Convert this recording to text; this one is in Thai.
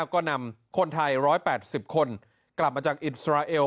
ก็นำคนไทย๑๘๐คนกลับมาจากอิสราเอล